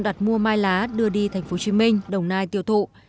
đặt mua mai lá đưa đi thành phố hồ chí minh đồng nai tiêu thụ